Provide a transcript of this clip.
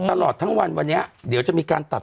ตลอดทั้งวันวันนี้เดี๋ยวจะมีการตัด